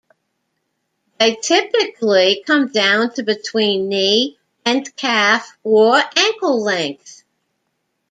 They typically come down to between knee and calf or ankle length.